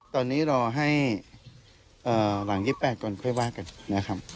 ตอนนี้รอให้หลัง๒๘ก่อนค่อยว่ากันนะครับ